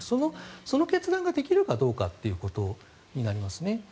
その決断ができるかどうかになりますね。